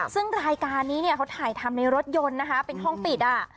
ซึ่งรายการนี้เนี่ยเขาถ่ายทำในรถยนต์นะคะเป็นห้องปิดอ่ะ